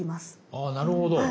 あなるほど。